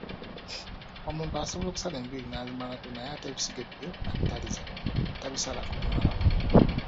"Omuntu asobola okusala enviiri n’azimalako naye ate ebisige byo abitaliza, tabisala kubimalako."